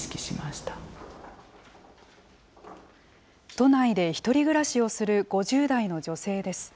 都内で１人暮らしをする５０代の女性です。